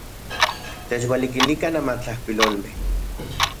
Techualikilikan amatlajkuilolmej.